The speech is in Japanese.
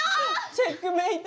チェックメイト。